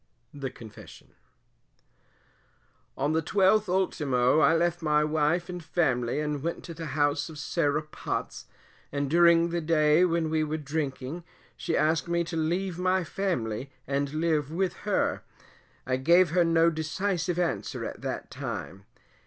THE CONFESSION. On the 12th ultimo, I left my wife and family and went to the house of Sarah Potts, and during the day when we were drinking, she asked me to leave my family and live with her; I gave her no decisive answer at that time.